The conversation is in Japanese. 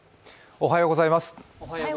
おはようございます。